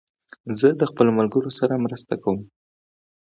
زه د خپلو ملګرو سره مرسته کوم.